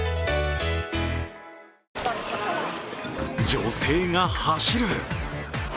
女性が走る。